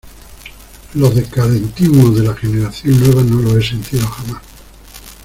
los decadentismos de la generación nueva no los he sentido jamás.